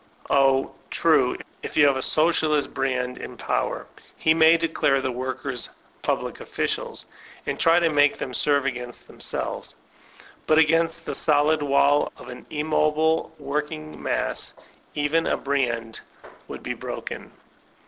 Oh, tnie, if you have a Socialist Briand in power, he may declare the workers ''public oflBdals*' and try to make them serve against themselves 1 But against the solid wall of an immobile woridng mass, even a Briand would be broken.